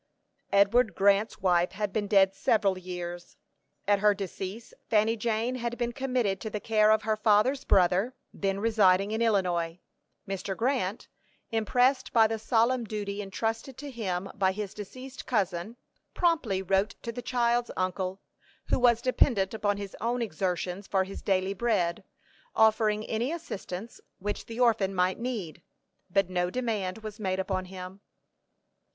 Edward Grant's wife had been dead several years. At her decease Fanny Jane had been committed to the care of her father's brother, then residing in Illinois. Mr. Grant, impressed by the solemn duty intrusted to him by his deceased cousin, promptly wrote to the child's uncle, who was dependent upon his own exertions for his daily bread, offering any assistance which the orphan might need; but no demand was made upon him.